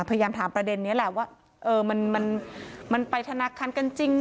พยายามถามประเด็นนี้แหละว่ามันไปธนาคารกันจริง